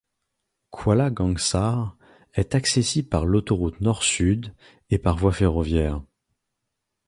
Kuala Kangsar est accessible par l'Autoroute Nord-Sud et par voie ferroviaire.